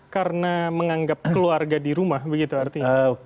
karena menganggap keluarga di rumah begitu artinya